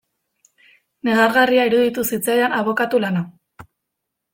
Negargarria iruditu zitzaidan abokatu lana.